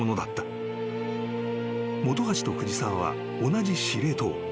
［本橋と藤澤は同じ司令塔。